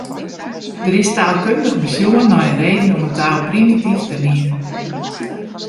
Der is taalkundich besjoen net in reden om in taal primityf te neamen.